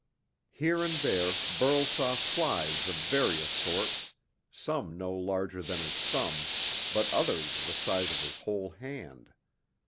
Here and there Burl saw flies of various sorts, some no larger than his thumb, but others the size of his whole hand.